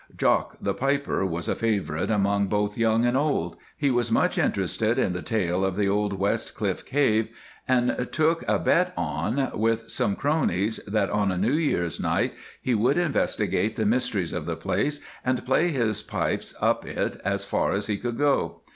"Jock the Piper," was a favourite among both young and old. He was much interested in the tale of the old West Cliff cave, and took a bet on with some cronies that on a New Year's night he would investigate the mysteries of the place, and play his pipes up it as far as he could go.